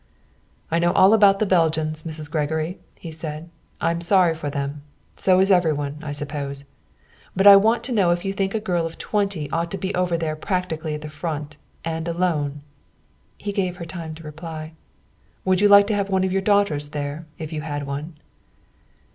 "I know all about the Belgians, Mrs. Gregory," he said. "I'm sorry for them. So is every one, I suppose. But I want to know if you think a girl of twenty ought to be over there practically at the Front, and alone?" He gave her time to reply. "Would you like to have your daughter there, if you had one?"